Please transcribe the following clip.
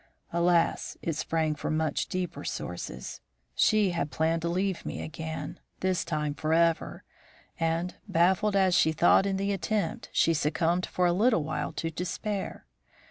Alas! it sprang from much deeper sources. She had planned to leave me again, this time forever; and, baffled as she thought in the attempt, she succumbed for a little while to despair.